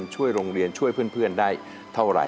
ขอบคุณค่ะ